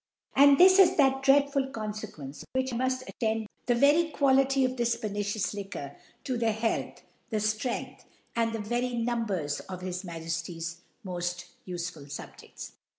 And this is that dreadful Confe quence which muft attend the poifonous Quiility of this pernicious Liquor to the Health, the Strength, and the very Being of Numbers of his Majefty's moft ufeful Subjefts.